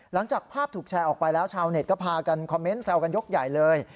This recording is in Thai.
หลังจากภาพถูกแชร์ออกไปแล้วชาวเน็ตก็พากันคอมเมนต์แซวกันยกใหญ่เลย